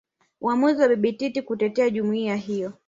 Uamuzi wa Bibi Titi kutetea jumuiya ya hiyo